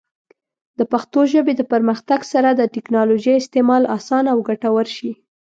د پښتو ژبې د پرمختګ سره، د ټیکنالوجۍ استعمال اسانه او ګټور شي.